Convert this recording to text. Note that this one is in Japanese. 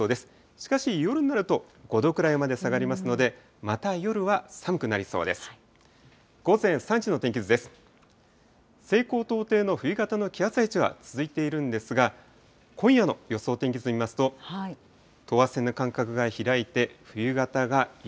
しかし夜になると５度くらいまで下がりますので、また夜は寒くなりそうです。